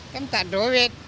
kamu tak duit